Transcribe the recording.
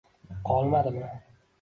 Qolmadimi?